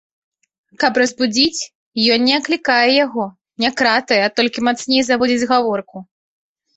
Каб разбудзіць, ён не аклікае яго, не кратае, а толькі мацней заводзіць гаворку.